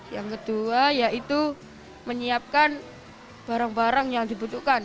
yang kedua yaitu menyiapkan barang barang yang dibutuhkan